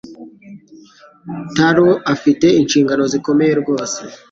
Taro afite inshingano zikomeye rwose.